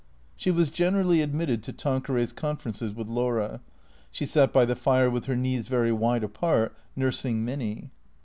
She was gen erally admitted to Tanqueray's conferences with Laura. She sat by the fire with her knees very wide apart, nursing Minny.